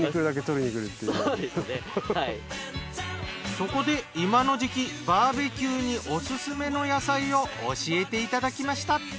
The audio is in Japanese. そこで今の時期バーベキューにオススメの野菜を教えていただきました。